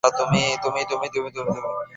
পালানোর চেষ্টা করলে রাজবীর তোমাকে ছাড়বে না।